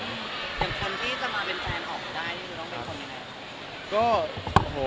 อย่างคนที่จะมาเป็นแฟนออกมาได้นี่คือต้องเป็นคนยังไง